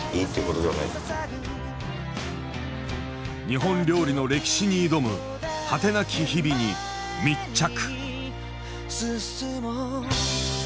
日本料理の歴史に挑む果てなき日々に密着！